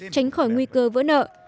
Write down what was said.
tránh khỏi nguy cơ vỡ nợ